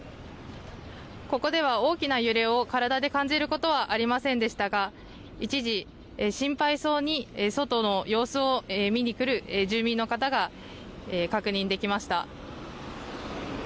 ここでは大きな揺れを体で感じることはありませんでしたが一時、心配そうに外の様子を見に来る住民の方が確認できました。